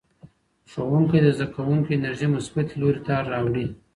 ښوونکی د زدهکوونکو انرژي مثبتې لوري ته راوړي.